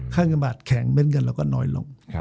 ค่าเงินบาทแข็งเม้นเงินเราก็น้อยลง